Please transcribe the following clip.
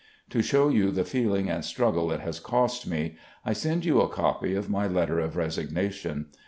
"To show you the feeling and struggle it has cost me, I send you a copy of my letter of resignation.